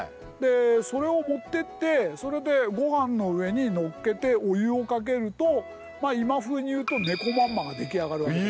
それを持ってってそれでごはんの上にのっけてお湯をかけると今風に言うとねこまんまが出来上がるわけです。